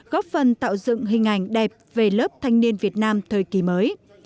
góp phần tạo dựng hình ảnh đẹp về lớp thanh niên việt nam thời kỳ mới